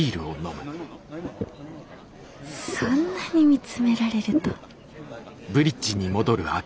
そんなに見つめられると。